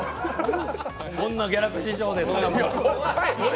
こんなギャラクシー賞で。